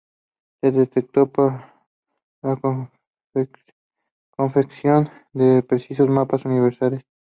Se destacó por la confección de precisos mapas universales.